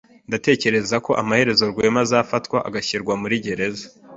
Ndatekereza ko amaherezo Rwema azafatwa agashyirwa muri gereza.